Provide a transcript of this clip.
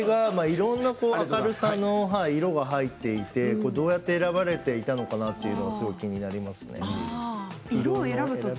いろんな色が入っていてどうやって選ばれていたのかなということが気になりますね。